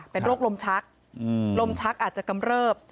เป็นโรคลมชักลมชักอาจจะกำเริบ